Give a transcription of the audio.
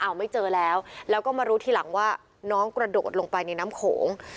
เอาไม่เจอแล้วแล้วก็มารู้ทีหลังว่าน้องกระโดดลงไปในน้ำโขง